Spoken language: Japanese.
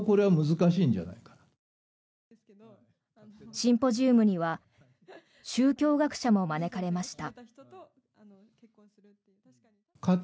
シンポジウムには宗教学者も招かれました。